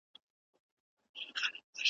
بیا به پیر د خُم له څنګه پر سر اړوي جامونه .